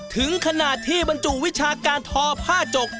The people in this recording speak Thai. ถึงขนาดที่บรรจุวิชาการทอผ้าจก